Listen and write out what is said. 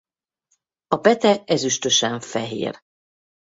A pete ezüstösen fehér.